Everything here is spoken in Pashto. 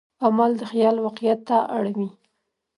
عمل د خیال واقعیت ته اړوي.